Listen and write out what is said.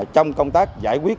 trong công tác giải quyết